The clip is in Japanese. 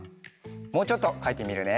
もうちょっとかいてみるね。